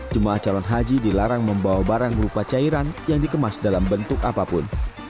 jemaah calon haji dilarang membawa barang berupa cairan yang dikemas dalam bentuk apapun